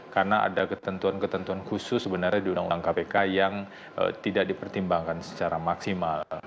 karena ada ketentuan ketentuan khusus sebenarnya di undang undang kpk yang tidak dipertimbangkan secara maksimal